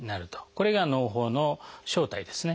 これがのう胞の正体ですね。